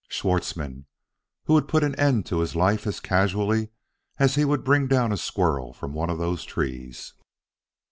Schwartzmann who would put an end to his life as casually as he would bring down a squirrel from one of those trees!